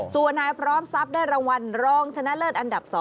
ส่วนนายพร้อมทรัพย์ได้รางวัลรองชนะเลิศอันดับ๒